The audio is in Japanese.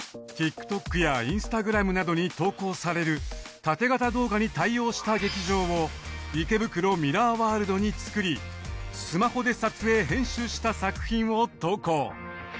ＴｉｋＴｏｋやインスタグラムなどに投稿される縦型動画に対応した劇場を池袋ミラーワールドに作りスマホで撮影編集した作品を投稿。